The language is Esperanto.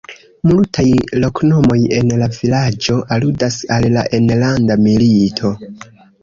Multaj loknomoj en la vilaĝo aludas al la enlanda milito.